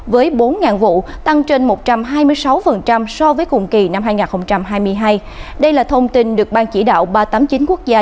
với bốn vụ tăng trên một trăm hai mươi sáu so với cùng kỳ năm hai nghìn hai mươi hai đây là thông tin được ban chỉ đạo ba trăm tám mươi chín quốc gia